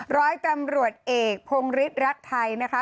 ร้อยตำรวจเอกพงฤทธิรักไทยนะคะ